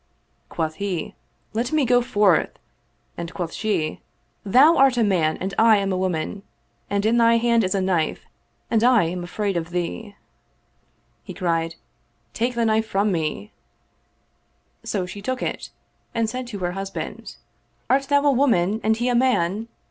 Quoth he, "Let me go forth"; and quoth she, " Thou art a man and I am a woman ; and in thy hand is a knife, and I am afraid of thee." He cried, " Take 38 The Robber and the Woman the knife from me." So she took it and said to her hus band, " Art thou a woman and he a man?